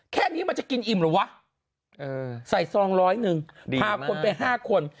แค่นี้มันจะกินอิ่มเหรอวะใส่ซองร้อยหนึ่งพาคนไป๕คน